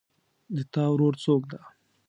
د تا ورور څوک ده